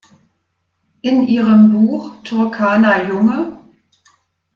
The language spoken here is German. In ihrem Buch "Turkana-Junge.